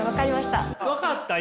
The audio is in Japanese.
分かった？